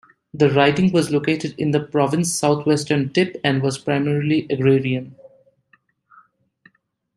The riding was located in the province's southwestern tip, and was primarily agrarian.